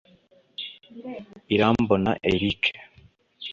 Irambona Eric